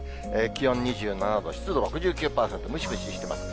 気温２７度、湿度６９％、ムシムシしてます。